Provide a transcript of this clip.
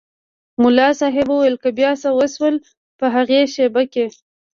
ملا صاحب وویل بیا څه وشول په هغې شېبه کې.